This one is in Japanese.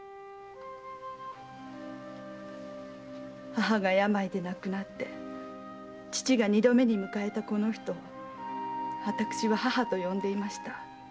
母が病で亡くなって父が二度目に迎えたこの人を私は「義母」と呼んでいました。